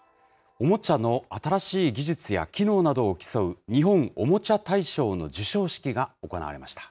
おもちゃの新しい技術や機能などを競う、日本おもちゃ大賞の授賞式が行われました。